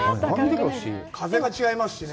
風が違いますしね。